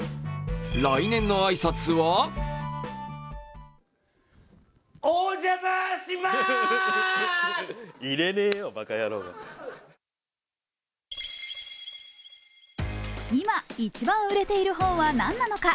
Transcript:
来年の挨拶は今、一番売れている本は何なのか？